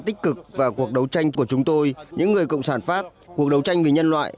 tích cực và cuộc đấu tranh của chúng tôi những người cộng sản pháp cuộc đấu tranh vì nhân loại